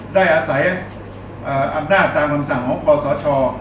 ได้อาศัยอ่อ่าอ่าอํนาจตามกฎมสั่งของคณสอชอ